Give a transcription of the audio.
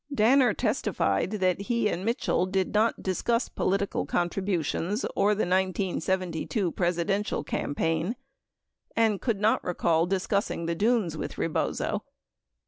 Danner testified that he and Mitchell did not discuss political con tributions or the 1972 Presidential campaign 25 and could not recall discussing the Dunes with Rebozo.